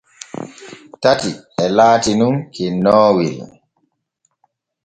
Tati e laati nun cennoowel.